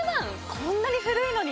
こんなに古いのに？